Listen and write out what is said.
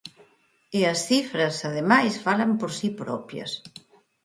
E as cifras, ademais, falan por si propias.